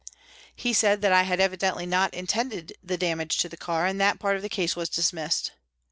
He said that I had evidently not intended the damage to the car, and that part of the case was dismissed.